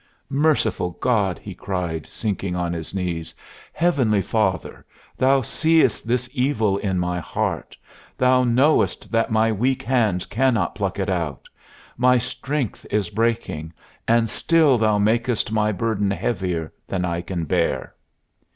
"Merciful God!" he cried, sinking on his knees. "Heavenly Father, Thou seest this evil in my heart! Thou knowest that my weak hand cannot pluck it out! My strength is breaking, and still Thou makest my burden heavier than I can bear."